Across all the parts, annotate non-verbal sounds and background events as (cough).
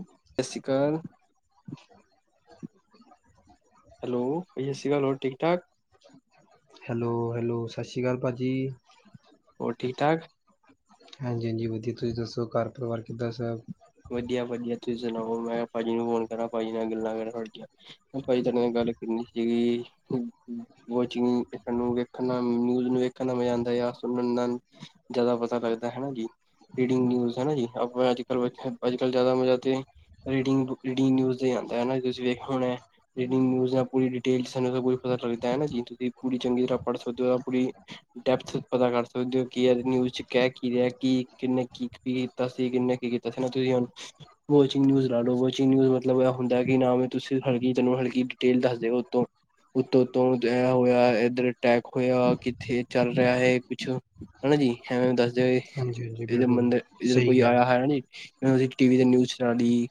ਸਤਿ ਸ਼੍ਰੀ ਅਕਾਲ ਹੈਲੋਾ ਸਤਿ ਸ਼੍ਰੀ ਅਕਾਲ ਹੋਰ ਠੀਕ-ਠਾਕ। ਹੈਲੋ ਹੈਲੋ ਸਤਿ ਸ਼੍ਰੀ ਅਕਾਲ ਪਾ ਜੀ। ਹੋਰ ਠੀਕ-ਠਾਕ। ਹਾਂਜੀ-ਹਾਂਜੀ ਵਧੀਆ ਤੁਸੀਂ ਦੱਸੋ ਘਰ ਪਰਿਵਾਰ ਕਿੱਦਾਂ ਸ ਵਧੀਆ-ਵਧੀਆ ਤੁਸੀਂ ਸੁਣਾਓ। ਮੈਂ ਪਾਜੀ ਨੂੰ ਫੋਨ ਕਰਾਂ ਪਾਜੀੀ ਨਾਲ ਗੱਲਾਂ ਕਰਾਂ ਤੁਹਾਡੀਆਂ। ਪਾਜੀ ਤੁਹਾਡੇ ਨਾਲ ਗੱਲ ਕਰਨੀ ਸੀਗੀ ਕੁੱਛ ਨੀ ਸਾਨੂੰ ਵੇਖਣਾ ਨਊਜ਼ ਨੂੰ ਵੇਖਣ ਦਾ ਮਜ਼ਾ ਆਂਦਾ ਯਾ ਸੁਣਨ ਨਾਲ ਜਿਆਦਾ ਪਤਾ ਲੱਗਦਾ ਹਨਾ ਜੀ। ਰੀਡਿੰਗ ਨਿਊਜ਼ ਹੈ ਜੀ ਅ ਅੱਜ-ਕੱਲ, ਅੱਜ-ਕੱਲ ਜ਼ਿਆਦਾ ਮਜ਼ਾ ਤੇ ਰੀਡਿੰਗ ਰੀਡਿੰਗ ਨਿਊਜ਼ ਦੇ ਆਣਦਾ ਹਨਾ ਤੁਸੀਂ ਵੇਖੋ ਹੁਣੇ ਪ ਡੇਾਨੂੰ ਪਤਾ ਲੱਗਦਾ ਤੁਸੀਂ ਪੂ ਚੰਗੀ ਤਰ੍ਹਾਂ ਪੜ੍ਹ ਸਕਦੇ ਹੋ ਡੈਪਥ ਪਤਾ ਕਰ ਸਕਦੇ ਹੋ ਕਿ ਇਹ ਨਿਊਜ਼ ਚ ਕਹਿ ਕੀ ਰਿਹਾ ਕੀ ਕਿੰਨੇ ਕੀ ਕੀ ਕੀਤਾ ਸੀ ਕਿਨੇ ਕੀ ਕੀਤਾ ਦ ਨਾ ਤੁਸੀਂ ਵਾਚਿੰਗ ਨਿਊਜ਼ ਲਾ ਲਓ ਵਾਚਿੰਗ ਨਿਊਜ਼ ਮਤਲਬ ਇਹ ਹੁੰਦਾ ਕਿ ਨ ਤੁਸੀਂ ਉਹਨਾਂ ਨੇ ਕੀ ਤੇਲ ਦੱਸ ਦਿਓ ਉਤੋਂ ਉਤੋਂ ਉਤੋਂ ਤੇ ਹੋਇਆ ਇਧਰ ਅਟੈਕ ਹੋਇਆ ਕਿੱਥੇ ਚੱਲ ਰਿਹਾ ਹ ਕੁਛ ਹਾਂਜੀ ਹਾਂਜੀ ਬਿਲਕੁਲ ਰ ਸਹੀ ਕੋਈ ਗੱਲ ਆਇਆ ਹੈ ਨਹੀਂ ਟੀਵੀ ਦਾ ਨਿਊਜ਼ ਨਾਂ ਦੀ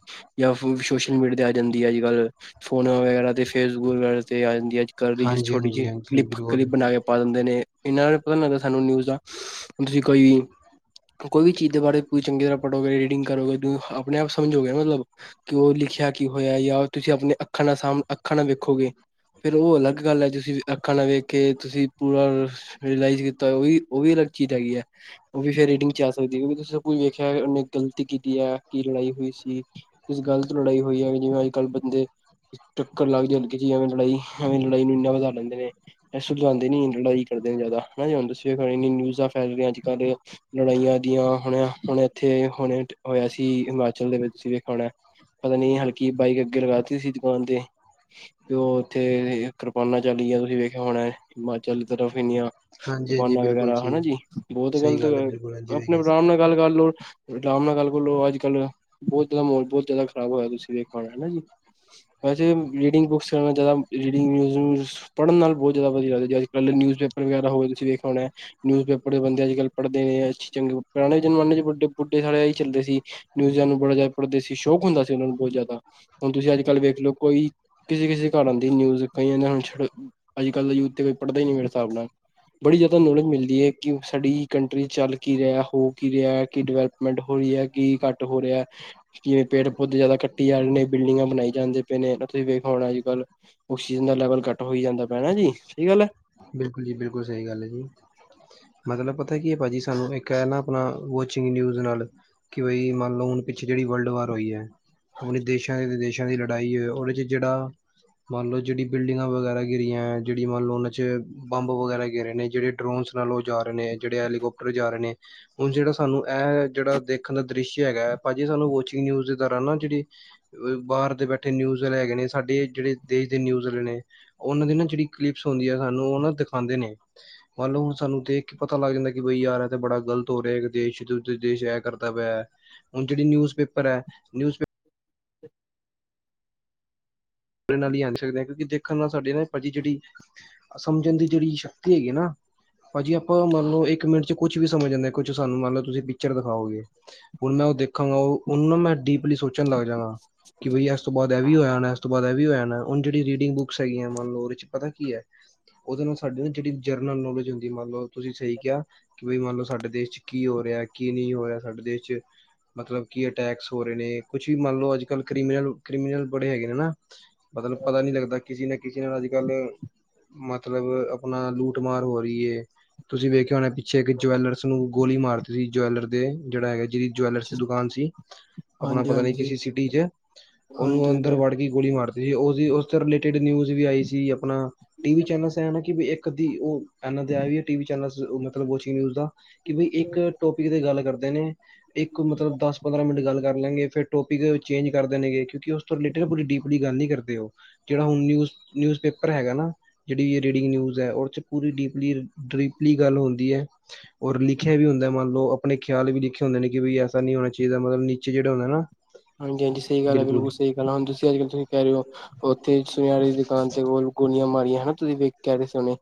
ਸੋਸ਼ਲ ਮੀਡੀਆ ਤੇ ਆ ਜਾਂਦੀ ਅੱਜ ਕੱਲ ਸੋਹਣਾ ਵਗੈਰਾ ਤੇ ਫੇਸਬ ਵਗੈਰਾ ਤੇ ਆ ਕਰਦੀ ਜਿਸ ਹਾਂਜੀ ਛੋਟੀ ਹਾਂਜੀ ਜਿਹੀ ਹਾਂਜੀ ਕਲਿੱਪ ਬਿਲਕੁਲ ਕਲਿਪ ਬਣਾ ਕੇ ਪਾ ਦਿੰਦੇ ਨੇ ਇਹਨਾਂ ਨੇ ਪਤਾ ਲੱਗਦਾ ਸਾਨੂੰ ਨਿਊਜ਼ ਆ ਤੁਸੀਂ ਕੋਈ ਕੋਈ ਵੀ ਚੀਜ਼ ਦੇ ਬਾਰੇ ਕੋਈ ਚੰਗੀ ਤਰਾਂ ਪੜੋਗੇ ਰੀਡਿੰਗ ਕਰੋਗੇ ਜੋ ਆਪਣੇ ਆਪ ਸਮਝ ਹੋਰ ਲਿਖਿਆ ਕੀ ਹੋਇਆ ਤੁਸੀਂ ਆਪਣੀ ਅੱਖਾਂ ਨਾਲ ਸਾਂਭ ਅੱਖਾਂ ਨਾ ਫਿਰ ਉਹ ਅਲੱਗ ਗੱਲ ਅੱਜ ਅਸੀਂ ਅੱਖਾਂ ਨਾਲ ਵੇਖ ਕੇ ਤੁਸੀਂ ਉਹ ਵੀ ਲੜਕੀ ਉਹ ਵੀ ਸੇ ਰੇਟਿੰਗ ਚ ਆ ਸਕਦੀ ਉਹ ਵੀ ਤੁਸਾਂ ਕੋਈ ਵੇਖਿਆ ਗਲਤੀ ਕੀਤੀ ਹ ਕੀ ਲੜਾਈ ਹੋਈ ਸੀ ਇਸ ਗੱਲ ਤੋਂ ਲੜਾਈ ਹੋਈ ਜਾਵੇ ਅੱਜਕੱਲ ਚੱਕਰ ਲੱਗ ਜਾਣਗੇ ਜੀ ਐਵੇਂ ਲੜਾਈ ਐਵੇਂ ਲੜਾਈਆਂ ਵ ਇਹ ਸੁਲਝਾਂਦੇ ਨੀ ਲੜਾਈ ਕਰਦੇ ਨੇ ਜ਼ਿਆਦਾ ਹ ਦੱਸ ਨਿਊਜ਼ਾਂ ਫੈਲ ਰਆਂ ਅੱ ਕੱਲ੍ਹ ਲੜਾਈਆਂ ਦੀਆਂ ਹੁਣ ਹੁਣ ਇੱਥੇ ਹੁਣੇ ਹੋਇਆ ਸੀ ਹਿਮਾਚਲ ਦੇ ਵਿੱਚ ਤੁਸੀਂ ਵੇਖਿਆ ਹੋਣਾ ਪਤਾ ਨੀ ਹਲਕੀ ਬਾਈਕ ਅੱਗੇ ਲਗਾ ਦਿੱਤੀ ਸੀ ਦੁਕਾਨ ਤੇ ਤੇ ਉਹ ਉੱਥੇ ਕਿਰਪਾਨਾ ਚੱਲਏ ਤੁਸੀਂ ਵੇਖਿਆ ਹੁਣ ਹਿਮਾਚਲ ਤਰਫ਼ ਇੰਨੀਆਂ ਹਾਂਜੀ ਹਾਂਜੀ ਰਪਾਨਾ ਬਿਲਕੁਲ ਵਗੈਰਾ ਹਨਾ ਸਹੀ ਜੀ ਬਹੁਤ ਸਹੀ ਗ਼ਲਤ ਗੱਲ ਹੈ ਬਿਲਕੁਲ ਹਾਂਜੀ ਵੇਖਿਆ ਆਪਣੇਰਾਮ ਨਾਲ ਗੱਲ ਕਰ ਸੀ। ਲੋਓ ਆਰਾਮ ਨਾਲ ਗੱਲ ਕਰਲੋ ਅੱਜ ਕੱਲ੍ਹ ਬਹੁਤ ਜ਼ਿਆਦਾ ਮਾਹਲ ਬਹੁਤ ਜ਼ਿਆਦਾ ਖਰਾਬ ਹੋਇਆ ਤੁਸੀਂ ਦੇਖਣ ਨਾਲ ਹਨਾ ਜੀ ਵੈਸੇ ਰੀਡਿੰਗ ਬੁੱਕਸ ਕਰੇਣਾ ਜ਼ਿਆਦਾ ਰੀਡਿੰਗਿਜ਼ ਪੜ੍ਹਨ ਨਾਲ ਬਹੁਤ ਜਿਆਦਾ ਵਧੀਆ ਨਿਊਜ਼ ਪੇਪਰ ਵਗੈਰਾ ਹੋਵੇ ਠੀਕ ਆ ਆਪਣੇ ਬੰਦਿਆਂ ਦੀ ਗੱਲ ਪੜਦੇ ਨੇ ਇਸ ਚੀਜ਼ ਦੇ ਪਹਿਲੇ ਜਨ ਬੁੱਟੇ ਵਾਲਿਆ ਹੀ ਚੱਲੇ ਸੀ ਨਿਊਜ਼ਾਂ ਨੂੰ ਥੋੜਾ ਜਿਹਾ ਪੜਦੇ ਸੀ ਸ਼ੋਕ ਹੁੰਦਾ ਸੀ ਉਹਨਾਂ ਨੂੰ ਹੁਣ ਤੁਸੀਂ ਅੱਜ ਕੱਲ ਵੇਖ ਲਓ ਕੋਈ ਕਿਸੇ ਕਿਸੇ ਕਾਰਨ ਦੀ ਨਿਊਜ਼ ਕਈ ਇਹਨਾਂ ਨੂੰ ਅੱਜ ਕੱਲ ਦਾ ਯੂਥ ਦੇ ਪੇਪਰ ਪੜ੍ਹਦੇ ਹੀ ਨਹੀਂ ਮੇਰੇ ਹਿਸਾਬ ਬੜੀ ਜਿਆਦਾ ਨੇੜੇ ਮਿਲਦੀ ਹੈ ਕਿ ਸਾਡੀ ਕੰਟਰੀ ਚੱਲ ਕੀ ਰਿਹਾ ਹੋ ਕੀ ਰਿਹਾ ਕਿ ਡਿਵੈਲਪ ਮਿੰਟ ਹੋ ਰਹੀ ਹੈ ਕਿ ਘੱਟ ਹੋ ਰਿਹਾ ਪੇਟ ਬਹੁਤ ਜਿਆਦਾ ਕੱਟੀ ਆ ਜਾਣੇ ਨੇ ਬਿਲਡਿੰਗਾਂ ਬਣਾਈ ਜਾਂਦੇ ਪਏ ਨੇ ਤੁਸੀਂ ਵੇਖ ਹੁਣ ਅੱਜ ਕੱਲ ਖੁਸ਼ੀ ਦਾ ਲੈਵਲ ਘੱਟ ਹੋਈ ਜਾਂਦਾ ਪੈਣਾ ਜੀ ਠੀਕ ਗੱਲ ਜੀ ਬਿਲਕੁਲ ਸਹੀ ਗੱਲ ਹੈ ਜੀ ਮਤਲਬ ਪਤਾ ਕੀ ਭਾਜੀ ਸਾਨੂੰ ਇੱਕ ਹ ਨਾ ਆਪਣਾ ਜੀ ਨਿਊਜ਼ ਨਾਲ ਕਿ ਬਈ ਮੰਨ ਲੋ ਹੁਣ ਪਿੱਛੇ ਜਿਹੜੀ ਵਰਲਡ ਵਾਰ ਹੋਈ ਹ ਆਪਣੇ ਦੇਸ਼ਾਂ ਦੀ ਲੜਾਈ ਉਹਦੇ ਚ ਜਿਹੜਾ ਮੰਨ ਲਓ ਜਿਹੜੀ ਬਿਲਡਿੰਗਾਂ ਵਗੈਰਾ ਗਿਰੀਆਂ ਜਿਹੜੀ ਮੰਨ ਲੋ ਉਹਨਾਂ ਚ ਬੰਬ ਵਗੈਰਾ ਗੇਰੇ ਨੇ ਜਿਹੜੇ ਟਰੋਨਸ ਲੈ ਲਓ ਜਾ ਰਹੇ ਨੇ ਜਿਹੜੇ ਐਲੀਕੋਪਟਰ ਜਾ ਰਹੇ ਨੇ ਹੁਣ ਜਿਹੜਾ ਸਾਨੂੰ ਇਹ ਜਿਹੜਾ ਦੇਖਣ ਦਾ ਦ੍ਰਿਸ਼ ਹੈਗਾ ਭਾਜੀ ਸਾਨੂੰ ਵਾਚਿੰਗ ਯੂਜ਼ ਕਰਨ ਨਾ ਜਿਹੜੀ ਬਾਹਰ ਤੇ ਬੈਠੇ ਨਿਊਜ਼ ਲੈ ਗਏ ਨੇ ਸਾਡੇ ਜਿਹੜੇ ਦੇਸ਼ ਦੇ ਨਿਊਜ਼ ਉਹਨਾਂ ਦੇ ਨਾ ਜਿਹੜੀ ਕਲੀਪਸ ਹੁੰਦੀਆਂ ਸਾਨੂੰ ਹਨਾ ਦਿਖਾਂਦੇ ਨੇ ਮਾਲੂਮ ਸਾਨੂੰ ਦੇਖ ਕੇ ਪਤਾ ਲੱਗ ਜਾਂਦਾ ਕਿ ਬਈ ਯਾਰ ਤੇ ਬੜਾ ਗਲਤ ਹੋ ਰਿਹਾ ਦੇਸ਼ ਐ ਹੁਣ ਜਿਹੜੀ ਨਿਊਜ਼ ਪੇਪਰ ਹ ਇਹਨਾਂ ਦੀ ਆਨਸਰ ਦੇ ਕਿਉਂਕਿ ਦੇਖਣ ਨਾਲ ਸਾਡੀ ਪਜੀ ਜਿਹੜੀ ਸਮਝਣ ਦੀ ਜਿਹੜੀ ਸ਼ਕਤੀ ਹੈਗੀ ਨਾ ਭਾਜੀ ਆਪਾਂ ਮਨ ਨੂੰ ਇੱਕ ਮਿੰਟ ਚ ਕੁਝ ਵੀ ਸਮਝ ਜਾਂਦੇ ਕੁਝ ਸਾਨੂੰ ਮੰਨ ਲੋ ਤੁਸੀਂ ਪਿਚਰ ਦਿਖਾਓਗੇ ਔਰ ਮੈਂ ਉਹ ਦੇਖਾਂਗਾ ਉਹਨੂੰ ਮੈਂ ਟੀਪਲੀ ਸੋਚਣ ਲੱਗ ਜਾਗਾ ਕਿ ਵੀ ਇਸ ਤੋਂ ਬਾਅਦ ਇਹ ਵੀ ਹੋਇਆ ਹੋਣਾ ਉਸ ਤੋਂ ਬਾਅਦ ਇਹ ਵੀ ਹੋ ਜਾਣਾ ਹੁਣ ਜਿਹੜੀ ਰੀਡਿੰਗ ਬੁੱਕਸ ਹੈਗੀਆਂ ਉਹਦੇ ਚ ਪਤਾ ਕੀ ਹ ਉਹਦੇ ਨਾਲ ਸਾਡੀ ਜਿਹੜੀ ਜਰਨਲ ਨੌਲੇਜ ਹੁੰਦੀ ਮੰਨ ਲਓ ਤੁਸੀਂ ਸਹੀ ਕਿਹਾ ਮੰਨ ਲੋ ਸਾਡੇ ਦੇਸ਼ ਚ ਕੀ ਹੋ ਰਿਹਾ ਕੀ ਨਹੀਂ ਹੋ ਰਿਹਾ ਸਾਡੇ ਦੇ ਵਿੱਚ ਮਤਲਬ ਕੀ ਅਟੈਕਸ ਹੋ ਰਹੇ ਨੇ ਕੁਝ ਵੀ ਮੰਨ ਲੋ ਅੱਜਕੱਲ ਕਰੀਮ ਨਾਲ ਕ੍ਰਿਮੀਨਲ ਬੜੇ ਹੈਗੇ ਨੇ ਮਤਲਬ ਪਤਾ ਨਹੀਂ ਲੱਗਦਾ ਕਿਸੇ ਨਾ ਕਿਸੇ ਨਾਲ ਅੱਜ ਕੱਲ ਮਤਲਬ ਆਪਣਾ ਲੂਟ ਮਾਰ ਹੋ ਰਹੀ ਹ ਤੁਸੀਂ ਵੇਖੇ ਹੋਣੇ ਪਿੱਛੇ ਇੱਕ ਜੁਐਲਰਸ ਨੂੰ ਗੋਲੀ ਮਾਰ ਦਿੱਤੀ ਜੁਇਲਰ ਦੇ ਜਿਹੜਾ ਹੈਗਾ ਜੋ ਐਨਰਜੀ ਦੁਕਾਨ ਸੀ ਆਪਣਾ ਹਾਂਜੀ ਪਤਾ ਨਹੀਂ ਕਿ ਹਾਂਜੀ ਅਸੀਂ ਸਿਟੀ ਚ ਉਹਨੂੰ ਹਾਂਜੀ ਹਾਂਜੀ ਅੰਦਰ ਗੋਲੀ ਮਾਰਤੀ ਉਸਦੀ ਉਸਦੇ ਰਿਲੇਟਿਡ ਨਿਊਜ਼ ਵੀ ਆਈ ਸੀ ਆਪਣਾ ਟੀਵੀ ਚੈਨਲਸ ਏਂ ਨ ਕੀ ਬਿ ਇੱਕ ਅੱਦੀ ਊ ਏਨਾ ਦਾ ਏਵੀਏ ਟੀਵੀ ਚੈਨਲ ੳ ਮਤਲਬ ੳ ਜੀ ਨਯੂਜ ਦਾ। ਕਿ ਬਈ ਇੱਕ ਟੋਪਿਕ ਤੇ ਗੱਲ ਕਰਦਾ ਨੇ ਇੱਕ ਮਤਲਬ ਦਸ, ਪੰਦਰਾਂ ਮਿੰਟ ਗੱਲ ਕਰ ਲਾਂਗੇ ਫਿਰ ਟੋਪਿਕ ਚੇਂਜ ਕਰ ਦੇਨਗੇ। ਕਿਉਂਕਿ ਉਸਤੋਂ ਰਿਲੇਟੀਡ ਪੂਰੀ ਡੀਪਲੀ ਗੱਲ ਨੀ ਕਰਦੇ ਉਹ। ਜਿਹੜਾ ਹੁਣ ਨਿਊਜ਼, ਨਿਊਜ਼ ਪੇਪਰ ਹੈਗਾ ਨਾ ਜਿਹੜੀ ਰੀਡਿੰਗ ਨਿਊਜ਼ ਹੈ, ਉਹਦੇ ਚ ਪੂਰੀ ਡੀਪਲੀ ਡਰੀਪਲੀ ਗੱਲ ਹੁੰਦੀ ਹੈ। ਔਰ ਲਿਖਿਆ ਵੀ ਹੁੰਦਾ ਮੰਨ ਲਓ, ਆਪਣੇ ਖਿਆਲ ਵੀ ਲਿਖੇ ਹੁੰਦੇ ਨੇ ਕਿ ਵੀ ਐਸਾ ਨਹੀਂ ਹੋਣਾ ਚਾਹੀਦਾ, ਮਤਲਬ ਨੀਚੇ ਜਿਹੜਾ ਹੁੰਦਾ ਹੈ ਨਾ ਹਾਂਜੀ, ਹਾਂਜੀ ਸਹੀ ਗੱਲ ਹੈ। ਬਿਲਕੁਲ ਸਹੀ ਗੱਲ ਹੈ। ਹਾਂਜੀ ਤੁਸੀ ਅਜਕਲ ਤੁਸੀ ਕਹਿ ਰਹੇ ਹੋ ਉਥੇ ਸੁਨਿਆਰੇ ਦੀ ਦੁਕਾਨ ਤੇ ਕੋਲ ਗੋਲੀਆਂ ਮਾਰੀਆਂ ਹਨਾ, ਤੁਸੀ ਵੇਖ ਕੇ ਆ ਰਹੇ ਸੀ ਹੁਣੇ।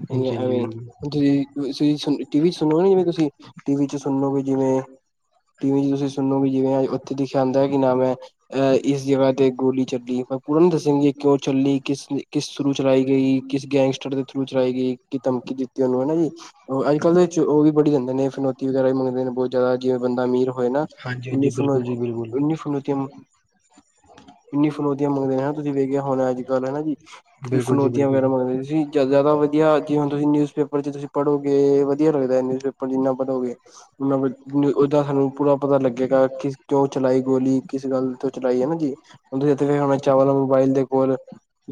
ਹਾਂਜੀ ਹਾਂਜੀ ਐਵੇਂ ਬਿਲਕੁਲ ਹੁਣ ਤੁਸੀਂ ਤੁਸੀ ਸੁਣ ਟੀ-ਵੀ ਚ ਸੁਣੋਗੇ ਜਿਵੇਂ ਤੁਸੀ ਟੀ-ਵੀ ਚ ਸੁਣ ਲੋ ਗੇ ਜਿਵੇ ਟੀ ਵੀ 'ਚ ਤੁਸੀ ਸੁਣੋ ਵੀ ਜਿਵੇਂ ਉਥੇ ਲਿਖਿਆ ਹੁੰਦਾ ਕਿ ਨਾ ਮੈ ਅਹ ਇਸ ਜਗ੍ਹਾ ਤੇ ਗੋਲੀ ਚੱਲੀ, ਪਰ ਪੂਰਾ ਨੀ ਦੱਸਣਗੇ ਕਿਉ ਚੱਲੀ, ਕਿਸ ਕਿਸਨੂੰ ਚਲਾਈ ਗਈ। ਇਸਕੇ ਐਕਸਟਡ ਦੇ ਥਰੂ ਚਲਾ ਗ ਬੰਦਾ ਅਮੀਰ ਹੋਏ ਨਾ ਅੱਜਕਲ ਜਾਂਦੇ ਨੇ ਬਹੁਤ ਜਿਆਦਾ ਜੇ ਬੰਦਾ ਅਮੀਰ ਹੋਏ ਨਾ ਹਾਂਜੀ ਉਨੀ ਹਾਂਜੀ ਫਨੋ ਬਿਲਕੁਲ ਜੀ ਉਨੀ ਫਨੋਤੀਆਂ (inaudible) ਇੰਨੀ ਫਰੋਤੀਆਂ ਮੰਗਦੇ ਨੇ ਹਨਾ ਤੁਸੀਂ ਵੇਖਿਆ ਹੋੁਣ ਅੱਜ ਕੱਲ੍ਹ ਹਨਾ ਜੀ ਕਿ ਬਿਲਕੁਲ ਜੀ ਫਰੋਤੀਆਂ ਬਿਲਕੁਲ ਵਗੈਰਾ ਮੰਗਦੇ ਤੁਸੀਂ ਜਿਆਦਾ ਵਧੀਆ ਜੀ ਨਿਊਜ਼ ਪੇਪਰ ਚ ਤੁਸੀਂ ਪੜੋਗੇ ਵਧੀਆ ਲੱਗਦਾ ਨਿਊ ਪੇਪਰ ਜਿੰਨਾ ਪਤਾ ਮਤਲਬ ਉਹਦਾ ਸਾਨੂੰ ਪੂਰਾ ਪਤਾ ਲੱਗੇਗਾ ਕਿ ਕਿਉਂ ਚਲਾਈ ਗੋਲੀ? ਕਿਸ ਗੱਲ ਤੋਂ ਚਲਾਈ? ਹੈਨਾ ਜੀ, ਚਾਵਲਾ ਮੋਬਾਇਲ ਦੇ ਕੋਲ।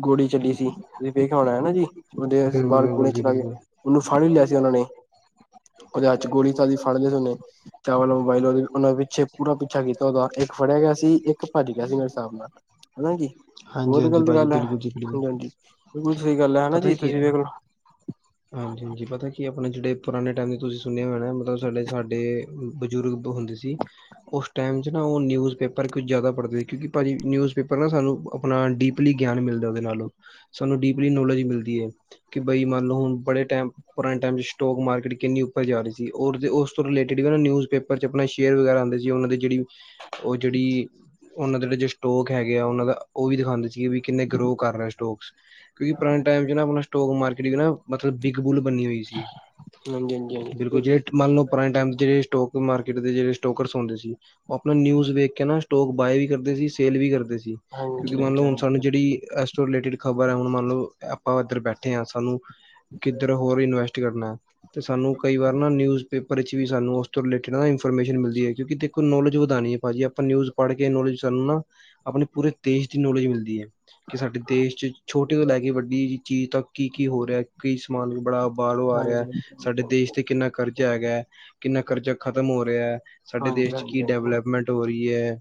ਗੋਲੀ ਚੱਲੀ ਸੀ। ਵੇਖਾਉਣਾ ਨਾ ਜੀ ਉਹਦੇ ਬਿਲਕੁਲ ਬਾਰ ਬਿਲਕੁਲ ਗੋਣਿਯਾਂ ਜੀ ਚਲਾ ਗਏ ਬਿਲਕੁਲ ਉਹਨੂੰ ਫੜ ਵੀ ਲਿਆ ਸੀ ਉਹਨਾਂ ਨੇ। ਉਹਦੇ ਹਾਚ ਗੋਲੀ ਚਲਗੀ ਫੜਲੈ ਉਹਨੇ ਚਾਵਲਾ ਮੁਬਾੲਲ ਉਹਨਾਂ ਪਿੱਛੇ ਪੂਰਾ ਅੱਛਾ ਕੀਤਾ ਉਦਾਂ ਇੱਕ ਫੜਿਆ ਗਿਆ ਸੀ, ਇੱਕ ਭੱਜ ਗਿਆ ਸੀ ਮੇਰੇ ਹਿਸਾਬ ਨਾਲ। ਹਨਾ ਜੀ। ਹਾਂਜੀ ਬਹੁਤ ਹਾਂਜੀ ਗ਼ਲਤ ਭਾਜੀ ਗੱਲ ਹੈ। ਬਿਲਕੁਲ ਜੀ ਬਿਲਕੁਲ ਹਾਂਜੀ, ਹਾਂਜੀ ਬਿਲਕੁਲ ਸਹੀ ਗੱਲ ਹੈ ਹਨਾ ਜੀ। (inaudible) ਤੁਸੀਂ ਵੇਖ ਲੋ ਹਾਂਜੀ ਹਾਂਜੀ ਪਤਾ ਕੀ ਐ ਆਪਣੇ ਜਿਹੜੇ ਪੁਰਾਣੇ ਟਾਈਮ ਚ ਤੁਸੀ ਸੁਣਿਆ ਹੋ ਮਤਲਬ ਸਾਡੇ ਸਾਡੇ ਬਜ਼ੁਰਗ ਦੋ ਹੁੰਦੇ ਸੀ। ਉਸ ਟਾਈਮ ਚ ਨਾ ਉਹ ਨਿਊਜ਼ ਪੇਪਰ ਕੁਝ ਜਿਆਦਾ ਪੜਦੇ, ਕਿਉਕਿ ਭਾਅ ਜੀ ਨਿਊਜ਼ ਪੇਪਰ ਨਾ ਸਾਨੂੰ ਆਪਣਾ ਡੀਪਲੀ ਗਿਆਨ ਮਿਲਦਾ ਉਹਦੇ ਨਾਲੋਂ, ਸਾਨੂੰ ਡੀਪਲੀ ਨੋਲੇਜ ਮਿਲਦੀ ਏ। ਕਿ ਬਈ ਮੰਨ ਨੂੰ ਬੜੇ ਟੈਮ ਪੁਰਾਣੇ ਟਾਈਮ ਚ ਸਟੋਕ ਮਾਰਕੀਟ ਕਿੰਨੀ ਉਪਰ ਜਾ ਰੀ ਸੀ ਔਰ ਉਸ ਤੋ ਰਿਲੇਟਿਡ ਵੀ ਨਾ ਨਿਊਜ਼ਪੇਪਰ ਪਹਿਲੇ ਚ ਆਪਣੇ ਸ਼ੇਅਰ ਵਗੈਰਾ ਹੁੰਦੇ ਸੀ, ਉਹਨਾਂ ਦੀ ਜਿਹੜੀ ਉਹ ਜਿਹੜੀ ਉਹਨਾਂ ਦੇ ਜਿਹੜੇ ਜੋ ਸਟੋਕ ਹੈਗੇ ਆ ਉਹਨਾਂ ਦਾ ਉਹ ਵੀ ਦਿਖਾਉਦੇ ਸੀਗੇ ਵੀ ਕਿੰਨੇ ਗਰੋ ਕਰ ਰਹੇ ਸਟੋਕਸ, ਕਿਉਂਕਿ ਪੁਰਾਣੇ ਟਾਈਮ ਚ ਨਾ ਆਪਣਾ ਥੋਕ ਮਾਰਕੀਟ ਮਤਲਬ ਬਿਗ ਬੁਲ ਬਣੀ ਹੋਈ ਸੀ। ਹਾਂਜੀ ਹਾਂਜੀ ਬਿਲਕੁਲ ਹਾਂਜੀ ਜ ਮੰਨ ਲ ਪੁਰਾਣੇ ਟਾਈਮ ਜਿਹੜੇ ਸਟੋਕ ਮਾਰਕੀਟ ਦੇ ਜਿਹੜੇ ਸਟੋਕਰਸ ਹੁੰਦੇ ਸੀ। ਉਹ ਆਪਣਾ ਨਿਊਜ਼ ਵੇਖ ਕੇ ਨਾ ਸਟੋਕ ਬਾਏ ਵੀ ਕਰਦੇ ਸੀ ਸੇਲ ਵੀ ਕਰਦੇ ਸੀ। ਕਿਉਂਕਿ, ਹਾਂਜੀ ਹਾਂਜੀ ਮੰਨ ਲਓ ਹੁਣ ਹਾਂਜੀ ਸਾਨੂੰ ਜਿਹੜੀ ਇਸ ਤੋਂ ਰਿਲੇਟਿਡ ਖ਼ਬਰ ਹੈ ਹੁਣ ਮੰਨਲਓ ਆਪਾਂ ਇਧਰ ਬੈਠੇ ਹਾਂ ਸਾਨੂੰ, ਕਿੱਧਰ ਹੋਰ ਇਨਵੈਸਟ ਕਰਨਾ। ਤੇ ਸਾਨੂੰ ਕਈ ਵਾਰ ਨਾ ਨਿਊਜ਼ ਪੇਪਰ ਵਿੱਚ ਵੀ ਸਾਨੂੰ ਉਸ ਤੋਂ ਰਿਲੇਟਿਡ ਨਾ ਇਨਫੋਰਮੇਸ਼ਨ ਮਿਲਦੀ ਹੈ ਕਿਉਂਕਿ, ਦੇਖੋ ਨੌਲੇਜ ਵਧਾਣੀ ਹੈ। ਭਾਜੀ ਆਪਾਂ ਨਿਊਜ ਪੜ੍ਹ ਕੇ ਨੌਲੇਜ ਸ ਨਾ ਆਪਣੀ ਪੂਰੇ ਦੇਸ਼ ਦੀ ਨੌਲੇਜ ਮਿਲਦੀ ਹੈ। ਕਿ ਸਾਡੇ ਦੇਸ਼ ਚ ਛੋਟੀ ਤੋਂ ਲੈ ਕੇ ਵੱਡੀ ਚੀਜ਼ ਤਾਂ ਕੀ ਕੀ ਹੋ ਰਿਹਾ ਕੀ ਸਮਾਨ ਬੜਾ ਬਾਹਰੋ ਆ ਰਿਹਾ ਹਾਂਜੀ ਸਾਡੇ ਦੇਸ਼ ਤੇ ਕਿੰਨਾ ਕਰਜ਼ ਹੈਗਾ ਹੈ। ਕਿੰਨਾ ਕਰਜ਼ਾ ਖ਼ਤਮ ਹੋ ਰਿਹਾ ਹੈ, ਸਾਡੇ ਦੇਸ਼ ਹਾਂਜੀ 'ਚ ਕੀ ਡਿਵਲਪਮੈਂਟ ਹੋ ਰਹੀ ਹੈ।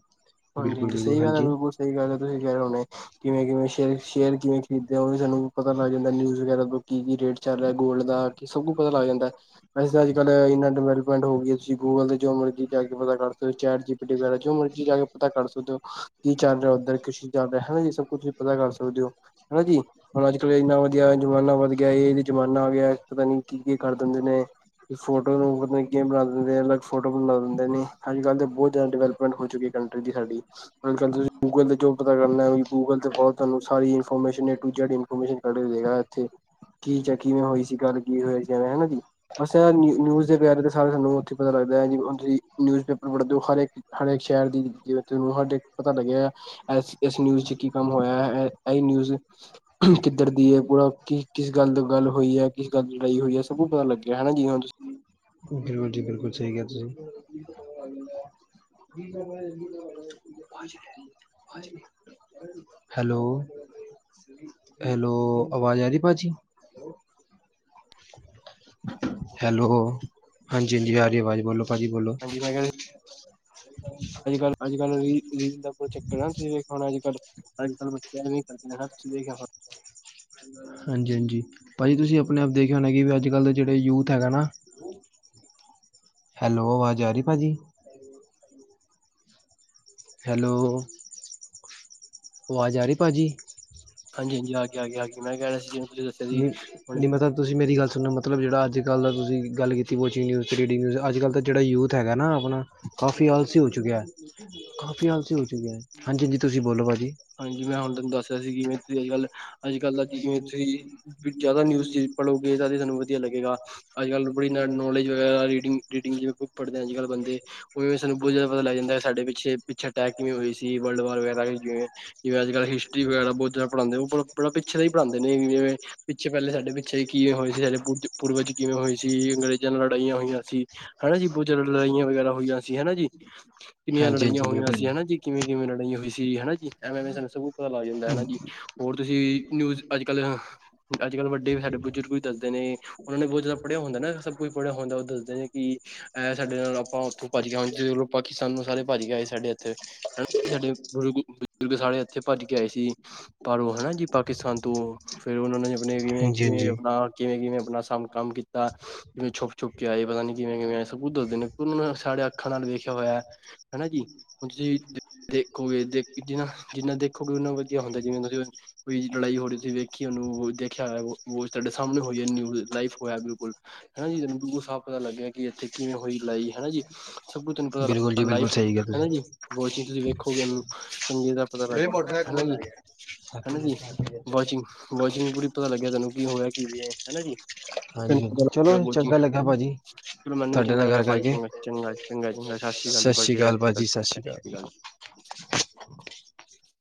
ਬਿਲਕੁਲ ਹਾਂਜੀ-ਹਾਂਜੀ ਬਿਲਕੁਲ ਸਹੀ ਹਾਂਜੀ ਗੱਲ ਸਹੀ ਗੱਲ ਹੈ ਤੁਸੀਂ ਕਹਿ ਰਹੇ ਹੋਣੇ, ਕਿਵੇਂ- ਕਿਵੇਂ ਸ਼ਰ ਸ਼ੇਅਰ ਕਿਵੇਂ ਖਰੀਦਦੇ ਹੋ ਉਹ ਵੀ ਸਾਨੂੰ ਪਤਾ ਲੱਗ ਜਾਂਦਾ ਨਿਊਜ਼ ਵਗੈਰਾ ਤੋਂ ਕੀ ਕੀ ਰੇਟ ਚੱਲ ਰਿਹਾ ਗੋਲਡ ਦਾ ਸਭ ਕੁਛ ਪਤਾ ਲੱਗ ਜਾਂਦਾ ਹੈ। ਵੈਸੇ, ਅੱਜ ਕੱਲ ਇੰਨਾ ਡਿਵੈਲਪਮੈਂਟ ਹੋ ਗਈ ਤੁਂ ਗੂਗਲ ਤੇ ਜੋ ਮਰਜ਼ੀ ਜਾ ਕੇ ਪਤਾ ਕਰ ਸਕਦੇ ਹੋ ਚੈਟ ਜੀਪੀ ਡੀ ਵਗੈਰਾ ਜੋ ਮਰਜ਼ੀ ਜਾ ਕੇ ਪਤਾ ਕਰ ਸਕਦੇ ਹੋ ਕੀ ਚੱਲ ਰਿਹਾ ਉੱਧਰ ਕਿ ਚੀਜ਼ ਚੱਲ ਰਿਹਾ ਹਨਾ ਜੀ ਸਭ ਕੁ ਤੁਸੀਂ ਪਤਾ ਕਰ ਸਕਦੇ ਹੋ ਹਨਾ ਜੀ। ਹੁਣ ਅੱਜ ਕੱਲ੍ਹ ਇੰਨਾ ਵਧੀਆ ਜ਼ਮਾਨਾ ਵੱਧ ਗਿਆ ਇਹ ਜ਼ਮਾਨਾ ਆ ਗਿਆ ਪਤਾ ਨੀ ਕੀ-ਕੀ ਕਰ ਦਿੰਦੇ ਨੇ। ਫੋਟੋ ਨੂੰ ਮਤਲਬ ਗੇਮ ਬਣਾ ਦਿੰਦੇ, ਅਲੱਗ ਫੋਟੋ ਬਣਾ ਲੈਂਦੇ ਨੇ। ਅੱਜ ਕੱਲ ਤਾਂ ਬਹੁਤ ਜ਼ਿਆਦਾ ਡਿਵੈਲਪਮੈਂਟ ਹੋ ਚੁੱਕੀ ਏ। ਸਾਡੀ। ਅੱਜ ਕੱਲ ਤੇ ਤੇ ਜੋ ਪਤਾ ਕਰਨਾ ਗੂਗਲ ਤੇ ਬਹੁਤ ਤੁਹਾਨੂੰਸਾਰੀ ਇਫੋਰਮੇਸ਼ਨ। ਕੱਢਗਾ ਇੱਥੇ ਕੀ, ਚ ਕਿਵੇਂ ਹੋਈ ਸੀ ਗੱਲ ਕੀ ਹੋਇਆ ਸੀ ਐਵੇਂ ਹਨਾ ਜੀ। ਬਸ ਇਹ ਨਿਊਜ਼ ਦੇ ਪਿਆਾਰੇ ਤੇ ਸਾਰੇ ਸਾਨੂੰ! ਥ ਪਤਾ ਲੱਗਦਾ ਹੈ ਤੁਸੀਂ ਨਿਊਜ਼ਪੇਪਰ ਪੜਦੇ ਹੋ ਹਰੇਕ ਹਰੇਕ ਸ਼ਹਿਰ ਦੀ! ਜਿਵੇ ਤੁਨੂੰ ਹਡੇ ਪਤਾ ਲੱਗਿਆ ਇਸ ਨਿਊਜ ਚ ਕੀ ਕੰਮ ਹੋਇਆ ਇਹੀ ਨਿਊਜ। ਕਿੱਧਰ ਦੀ ਏ? ਬਰਾ ਕਿਸ ਗੱਲ ਦਾ ਗੱਲ ਹੋਈ ਏ ਕਿਸ ਗ ਦੀ ਲੜਾਈ ਹੋਈ ਹੈ ਸਭ ਪਤਾ ਲੱਗਿਆ। ਹਨਾ ਜੀਵੇ ਹੁਣ! ਬਿਲਕੁਲ ਜੀ ਬਿਲਕੁਲ ਸਹੀ ਕਿਹਾ ਤੁਸੀਂ। ਹ ਹਾਂ ਹਾਂਜੀ ਵੀਰੇ। ਹੈਲੋ, ਹੈਲੋ ਆਵਾਜ਼ ਆਈ ਰਹੀ ਭਾਜੀ ਹੈਲੋ, ਹਾਂਜੀ-ਹਾਂਜੀ ਹਰੀ ਆਵਾਜ਼ ਬੋਲੋ ਭਾਅ ਜੀ ਬੋਲੋ ਅੱਜ-ਕੱਲ੍ਹ, ਅੱਜ-ਕੱਲ ਰ ਰੀਲ ਦਾਰਾ ਚੱਕਰ ਨਾ ਸੀ ਵੇਖਾਣਾ ਅੱਜ ਕੱਲ ਅੱਜ ਕੱਲ ਬੱਚਿਆਂ ਇਹ ਵੀ ਕਰਦੇ ਸਭ ਚਸੀਖਿਆ। (unintelligible) ਹਾਂਜੀ-ਹਾਂਜੀ ਭਾਜੀ, ਤੁਸੀਂ ਆਪਣੇ ਆਪ ਦੇਖੇ ਹੋਣਾ ਕਿ ਵੀ ਅੱਜ ਕੱਲ੍ਹ ਦੇ ਜਿਹੜੇ ਯੂਥ ਹੈਗਾ ਨਾ ਹ ਹੈਲੋ ਆਵਾਜ ਆ ਰਹੀ ਭਾਅ ਜੀ। ਹੈਲੋ ਆਵਾਜ਼ ਆ ਰਹੀ ਭਾਜੀ? ਹਾਂਜੀ- ਹਾਂਜੀ ਆ ਗ ਆ ਗ ਆ ਗ ਮੈਂ ਕਹਿ ਰਿਹਾ ਸੀ! ਤੁਸੀਂ ਦੱਸਿਆ ਸੀ ਨ ਹੁਣ ਨੀ ਮਤਾਬ ਤੁਸੀਂ ਮੇਰੀ ਗੱਲ ਸੁਣੋ ਮਲ। ਮਤਲਬ ਜਿਹੜਾ ਅੱਜਕੱਲ ਤੁਸੀਂ ਗੱਲ ਕੀਤੀ ਪੋਚਗ ਨਿਊਜ਼ ਅਤੇੀ ਰੀਡਿੰਗ ਨਿਊਜ਼ ਅੱਜ ਕੱਲ ਤਾਂ ਜਿਹੜਾ ਯੂਥ ਹੈ ਨਾ ਆਪਣਾ! ਕਾਫ਼ੀ ਆਲਸੀ ਹੋ ਚੁੱਕਿਆ, ਕਾਫ਼ੀ ਆਲਸੀ ਹੋ ਚੁੱਕਿਆ ਹਾਂਜੀ ਹਾਂਜੀ ਤੁਸੀਂ ਬੋਲੋ ਭਾਜੀ ਹਾਂਜੀ ਮੈਂ ਹੁਣ ਤੁਹਾਨੂੰ ਦੱਸ ਰਿਹਾ ਸੀ ਕਿਵੇਂ ਤੁਸੀਂ ਅੱਜੱਲ ਅੱਜ ਕੱਲ੍ਹ ਜਵੇਂ ਤੁਸੀਂ ਜ਼ਿਆਦਾ ਨਿਊਜ਼ ਪੜ੍ਹੋਗੇ ਤਾਂ ਸਾਨੂੰ ਵਧੀਆ ਲੱਗੇਗਾ। ਅੱਜ ਕੱਲ੍ਹ ਬੜੀ ਨੌਲੇਜ ਵਗੈਰਾ ਰਿੰਡਗ ਰਿਡਿੰਗ ਪੜ੍ਹਦੇ ਆ। ਅੱਜ ਕੱਲ੍ਹ ਬੰਦੇ, ਉਵੇ ਸਾਨੂੰ ਬਹੁਤ ਜ਼ਿਆਦਾ ਪਤਾ ਲੱਗਦਾ ਕਿ ਸਾਡੇ ਪਿੱਛੇ ਅਟੈਕ ਕਿਵੇਂ ਹੋਈ ਸੀ। ਵਰਲਡ ਵਾਰ ਵਗੈਰਾ ਕਿਵੇਂ? ਜਿਵੇਂ ਅੱ ਕੱਲ੍ਹ ਹਿਸਟਰੀ ਵਗੈਰਾ ਬਹੁਤ ਜ਼ਿਆਦਾ ਪੜਾਉਂਦੇ ਉਹ ਬੜ ਪਿੱਛੇ ਦਾ ਹੀ ਪੜ੍ਹਾਉਂਦੇ ਨੇ ਜਵੇਂ! ਪਿੱਛੇ ਪਹਿਲੇ ਸਾਡੇ ਪਿੱਛੇ ਕਿਵੇਂ ਹੋਏ ਸੀ। ਸਾਡੇ ਪੂਰਵਜ ਕਿਵੇਂ ਹੋਈ ਸੀ। ਅੰਗਰੇਜ਼ਾਂ ਨਾਲ ਲੜਾਈਆਂ ਹੋਈਆਂ ਸੀ। ਹਨਾ ਜੀ ਬਹੁਤ ਜ਼ਿਆਦਾ ਲੜਾਈਆਂ ਵਗੈਰਾ ਹੋਈਆਂ ਸੀਹਨਾ ਜੀ। ਕਿੰਨੀਆਂ ਹਾਂਜੀ ਲੜਾਈਆਂ ਹਾਂਜੀ ਹੋਈਆਂ ਬਿਲਕੁਲ ਸੀ ਹਨਾ ਜੀ ਕਿਵੇਂ- ਕਿਵੇਂ ਲੜਾਈ ਹੋਈ ਸੀਗੀ ਹਨਾ ਜੀ ਐਵੇਂਵੇਂ ਸਾਨੂੰ ਸਭ ਪਤਾ ਲੱਗ ਜਾਂਦਾ ਹਨਾ ਜੀ। ਹੋਰ ਤੁਸੀਂ ਨਿਊਜ਼ ਅੱਜ ਕੱਲ੍ਹ ਅੱਜ ਕੱਲ੍ਹ ਵੱਡੇ ਸਾਡੇ ਬਜ਼ੁਰਗ ਵੀ ਦੱਸਦੇ ਨੇ। ਉਹਨਾਂ ਨੇ ਬਹੁਤ ਜ਼ਿਆਦਾ ਪੜ੍ਹਿਆ ਹੁੰਦਾ ਨਾ, ਸਭ ਕੁਝ ਪੜ੍ਹਿਆ ਹੁੰਦਾ ਉਹ ਦਸਦੇ ਨੇ ਕਿ, ਇਹ ਸਾਡੇ ਨਾਲ ਆਪਾਂ ਉੱਥੋਂ ਭੱਜ ਗਿਆ ਹ ਜ ਪਾਕਿਸਤਾਨ ਨੂੰ ਸਾਰੇ ਭੱਜ ਗਏ ਸਾਡੇ ਇੱਥੇ। ਸਾਡੇ ਗੁਰੂ, ਬਜ਼ੁਰਗ ਸਾਰੇ ਇੱਥੇ ਭੱਜ ਕੇ ਆਏ ਸੀ ਪਰ ਉਹ ਹਨਾ ਜੀ ਪਾਕਿਸਤਾਨ ਤੋਂ ਫੇਰ ਉਹਨਾਂ ਨੇ ਆਪਣੇ ਕਿਵੇਂ ਹਾਂਜੀ ਕਿਵੇਂ ਹਾਂਜੀ ਆਪਣਾ ਕਿਵੇਂ -ਕਿਵੇਂ ਆਪਣਾ ਸਮ ਕੰਮ ਕੀਤਾ ਕਿਵੇਂ ਛੁਪ -ਛੁਪ ਕੇ ਆਏ ਪਤਾ ਨੀ ਕਿਵੇਂ ਕਿਵੇਂ ਆਏ ਸੀ ਦੱਸਦੇ ਨੇ। ਸਾਡੇ ਅੱਖਾਂ ਨਾਲ ਵੇਖਿਆ ਹੋਇਆ ਹਨਾ ਜੀ ਹੁਣ ਤੁਸੀਂ ਦੇਖੋਗੇ ਦੇਖ। ਜਿੰਨਾ ਜਿੰਨਾ ਦੇਖੋਗੇ ਉਨਾ ਵਧੀਆ ਹੁੰਦਾ। ਜਿਵੇਂ ਤੁਸੀਂ, ਕੋਈ ਲੜਾਈ ਹੋ ਰਹੀ, ਤੁਸੀਂ ਵੇਖੀ ਉਹਨੂੰ ਦੇਖਿਆ ਹੋਇਆ। ਤੁਹਾਡੇ ਸਾਹਮਣੇ ਹੋਈ ਨ ਲਾਈਵ ਹੋਇਆ ਬਿਲਕੁਲ। ਹਨਾ ਜੀ ਤੈਨੂੰ ਸਬ ਪਤਾ ਲੱਗਿਆ ਕਿ ਇੱਥੇ ਕਿਵੇਂ ਹੋਈ ਲੜਾਈ? ਹੈਾ ਜੀ ਸਭ ਕੁ ਤਨ, ਬਿਲਕੁਲ ਜੀ ਬਿਲਕੁਲ ਲਾਈਫ ਸਹੀ ਕਿਹਾ ਹਨਾ ਤੁਸੀਂ ਜੀ ਵੋਚਿੰਗ ਤੁਸੀਂ ਵੇਖੋਗੇ ਉਹਨੂੰ। ਚੰਗੇ ਦਾ ਪਤਾ ਲੱਗ ਜਾਂਦਾ ਹਨਾ ਜੀ ਹਨਾ ਜੀ ਹਾਂਜੀ ਵਚਿੰਗ ਵਾਚਿੰਗ ਪੂਰੀ, ਪਤਾ ਲੱਗਿਆ ਤੈਨੂੰ ਕੀ ਹੋਇਆ ਕੀ ਵੀ ਹਨਾ ਜੀ। ਚੋ ਹਾਂਜੀ ਚਲੋ ਚੰਗਾ ਲੱਗਾ ਭਾਜੀ ਮੈਨੂੰ ਵੀ ਤੁਹਾਡੇ ਚੰਗਾ ਨਾਲ ਲੱਗਿਆ ਗੱਲ ਭਾਜੀ ਕਰਕੇ ਚੰਗਾ। ਚੰਗਾ ਚੰਗਾ ਚਗਾ ਜ ਸਤਿ ਸ਼੍ਰ ਅਕਾਲ ਸਤਿ ਸ਼੍ਰੀ ਅਕਾਲ।